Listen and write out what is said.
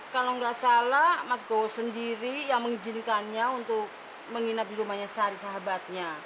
kalau nggak salah mas go sendiri yang mengizinkannya untuk menginap di rumahnya sehari sahabatnya